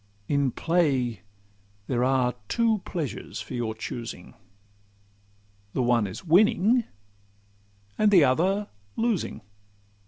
In play, there are two pleasures for your choosing— The one is winning, and the other losing.